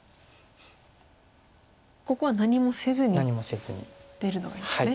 ここは何もせずに出るのがいいんですね。